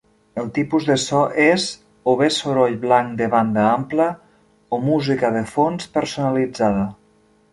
El tipus de so és o bé soroll blanc de banda ampla o música de fons personalitzada.